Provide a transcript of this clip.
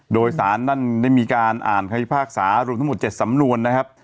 โดยสารนั้นได้มีการอ่านคณิตภาคศาสตร์ร่วมทั้งหมด๗สำนวนนะครับ